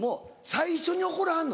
最初に怒らはんの？